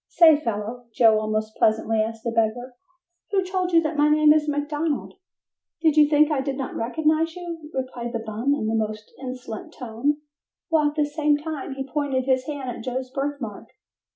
"Say, fellow," Joe almost pleasantly asked the beggar, "who told you that my name is McDonald?" "Did you think I did not recognize you?" replied the bum in a most insolent tone while at the same time he pointed his hand at Joe's birthmark.